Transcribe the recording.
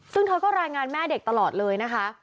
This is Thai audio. ซึ่งเธอก็รายงานแม่เด็กตลอดเลยนะคะ